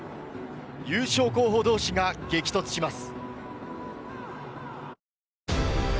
優勝候補同士が激突します。